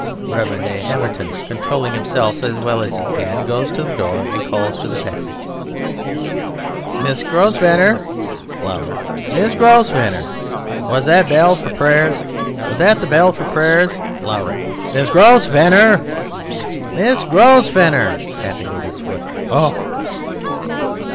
REV. A. HAVERTON (controlling himself, as well as he can, goes to the door and calls into the passage): Miss Grosvenor! (Louder) ... Miss Grosvenor!... Was that the bell for prayers? Was that the bell for prayers?... (Louder) Miss Grosvenor. (Louder) Miss Gros ve nor! (Tapping with his foot.) Oh!...